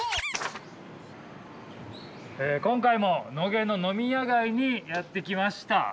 今回も野毛の飲み屋街にやって来ました。